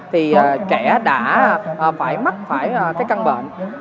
thì kẻ đã phải mắc phải cái căn bệnh